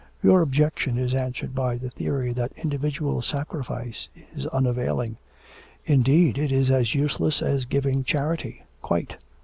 Your objection is answered by the theory that individual sacrifice is unavailing: indeed, it is as useless as giving charity, quite.